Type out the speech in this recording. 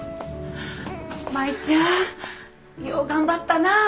舞ちゃんよう頑張ったなぁ。